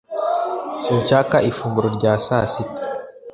sinshaka ifunguro rya sasita